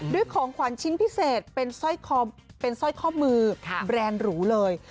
ของขวัญชิ้นพิเศษเป็นสร้อยข้อมือแบรนด์หรูเลย